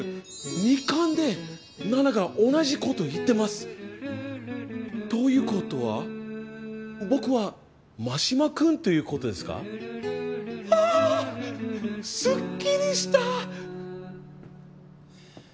２巻でナナが同じこと言ってます！ということは僕は真島君ということですか！？はすっきりした！